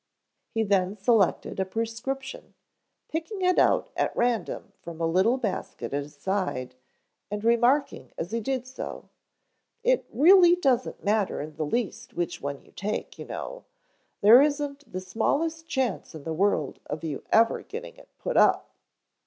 He then selected a prescription, picking it out at random from a little basket at his side and remarking as he did so, "It really doesn't matter in the least which one you take, you know. There isn't the smallest chance in the world of your ever getting it put up.